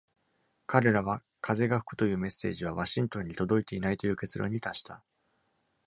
彼らは、「風が吹く」というメッセージはワシントンに届いていないという結論に達した。